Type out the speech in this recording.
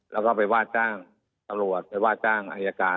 แล้วก็ไปว่าจ้างตำรวจไปว่าจ้างอายการ